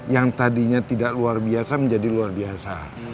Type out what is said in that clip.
yang tadinya tidak luar biasa menjadi luar biasa